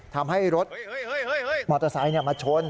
ทำให้รถมอเตอร์ไซค์มาชน